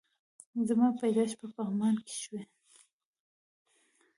زما پيدايښت په پغمان کی شوي